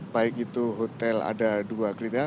baik itu hotel ada dua kereta